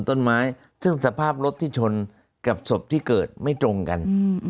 ต้นไม้ซึ่งสภาพรถที่ชนกับศพที่เกิดไม่ตรงกัน